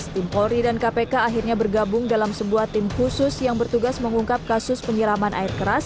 tim polri dan kpk akhirnya bergabung dalam sebuah tim khusus yang bertugas mengungkap kasus penyiraman air keras